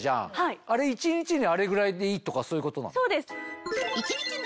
あれ一日であれぐらいでいいとかそういうことなの？